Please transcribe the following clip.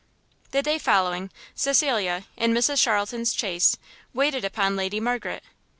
The day following Cecilia, in Mrs Charlton's chaise, waited upon Lady Margaret.